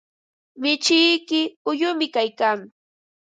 Mishiyki uyumi kaykan.